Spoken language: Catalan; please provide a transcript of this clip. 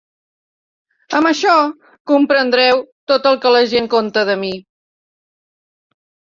Amb això comprendreu tot el que la gent conta de mi.